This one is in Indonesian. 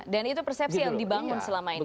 dan itu persepsi yang dibangun selama ini